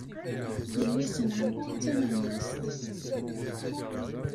Yelli-s n ɛemmti d taneɣmast.